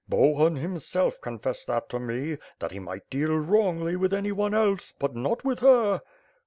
Bohun, himself, con fessed that to me; that he might deal wrongly with anyone else, but not with her."